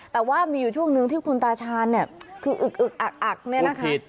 แต่ว่ามีอยู่ช่วงนึงที่คุณตาชาญเนี่ยคืออึกอึกอักอักเนี่ยนะคะ